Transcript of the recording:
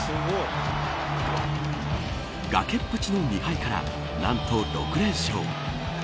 崖っぷちの２敗から何と６連勝。